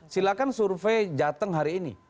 silakan survei jateng hari ini